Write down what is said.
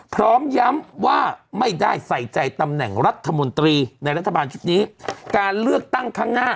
พร้อมย้ำว่าไม่ได้ใส่ใจตำแหน่งรัฐมนตรีในรัฐบาลชุดนี้การเลือกตั้งข้างหน้า